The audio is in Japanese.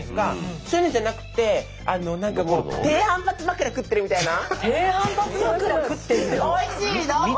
そういうのじゃなくて何かそう何かほんとに低反発まくら食ってるみたいな。